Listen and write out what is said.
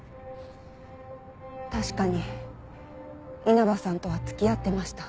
確かに稲葉さんとは付き合ってました。